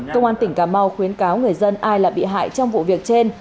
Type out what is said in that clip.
công an tỉnh cà mau khuyến cáo người dân ai là bị hại trong vụ việc trên